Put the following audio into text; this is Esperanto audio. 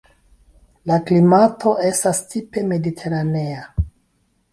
La klimato estas tipe mediteranea.